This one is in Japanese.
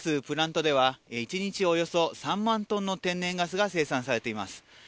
プラントでは、１日およそ３万トンの天然ガスが生産されています。